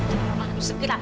jadi mama harus segera